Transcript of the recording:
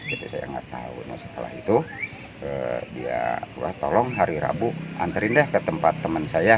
itu saya nggak tahu nah setelah itu dia wah tolong hari rabu anterin deh ke tempat teman saya